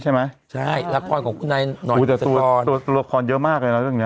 แต่ตัวละครเยอะมากเลยนะ